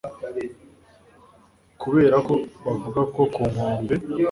kuberako bavuga ko ku nkombe